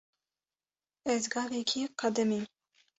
Ez gavekê qedimîm.